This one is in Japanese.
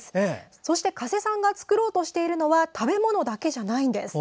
そして加瀬さんが作ろうとしているのは食べ物だけではないんです。